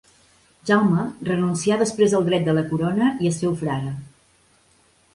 Jaume, renuncià després al dret de la corona i es féu frare.